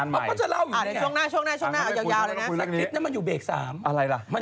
พี่ดิกอลรายการคุณ